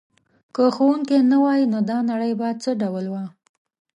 که ښوونکی نه وای دا نړۍ به څه ډول وه؟